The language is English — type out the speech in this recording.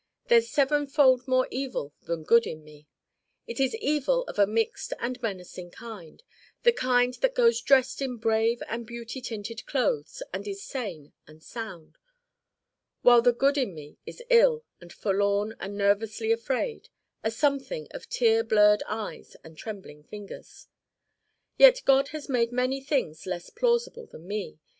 There's sevenfold more evil than good in me. It is evil of a mixed and menacing kind, the kind that goes dressed in brave and beauty tinted clothes and is sane and sound. While the good in me is ill and forlorn and nervously afraid a something of tear blurred eyes and trembling fingers. Yet God has made many things less plausible than me.